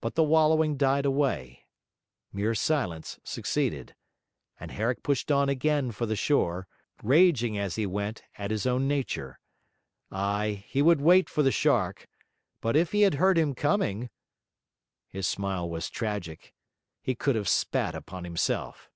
But the wallowing died away; mere silence succeeded; and Herrick pushed on again for the shore, raging as he went at his own nature. Ay, he would wait for the shark; but if he had heard him coming!... His smile was tragic. He could have spat upon himself.